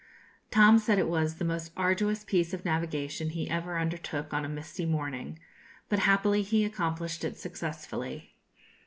Tom said it was the most arduous piece of navigation he ever undertook on a misty morning; but happily he accomplished it successfully.